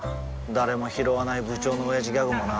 誰もひろわない部長のオヤジギャグもな